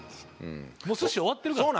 もう寿司終わってるから。